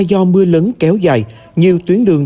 do mưa lớn kéo dài nhiều tuyến đường